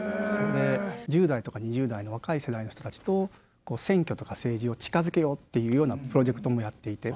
で１０代とか２０代の若い世代の人たちと選挙とか政治を近づけようっていうようなプロジェクトもやっていて。